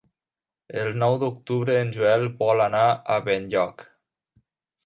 El nou d'octubre en Joel vol anar a Benlloc.